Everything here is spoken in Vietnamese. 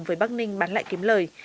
với bắc ninh bán lại kiếm lời